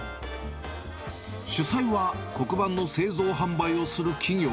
主催は、黒板の製造販売をする企業。